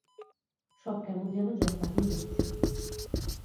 সব কেমন যেন জট পাকিয়ে যাচ্ছে।